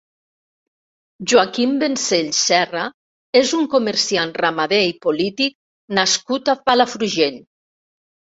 Joaquim Vencells Serra és un comerciant ramader i polític nascut a Palafrugell.